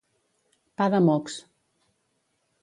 Pa de mocs.